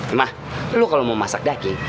emah lu kalau mau masak daging